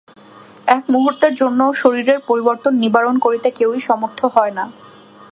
এক মুহূর্তের জন্যও শরীরের পরিবর্তন নিবারণ করিতে কেহই সমর্থ হয় না।